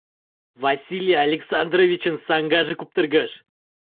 Василий Александровичын саҥгаже куптыргыш.